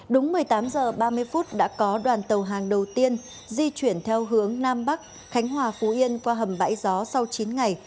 đúng một mươi tám h ba mươi đã có đoàn tàu hàng đầu tiên di chuyển theo hướng nam bắc khánh hòa phú yên qua hầm bãi gió sau chín ngày